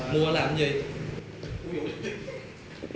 mua làm gì